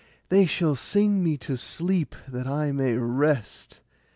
They shall sing me to sleep, that I may rest.